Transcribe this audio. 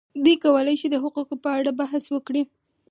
دوی کولای شي د حقوقو په اړه بحث وکړي.